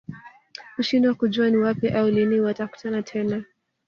Hushindwa kujua ni wapi au lini watakutana tena